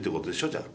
じゃあ。